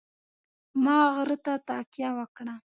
ما غره ته تکیه وکړه.